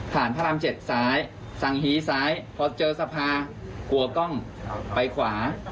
ผ่านพระรำ๗ซ้ายสังฮีซ้ายเพราะเจอสภากลัวกล้องไปขวา